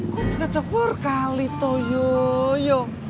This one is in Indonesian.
kok gak cepur kali toh yoyo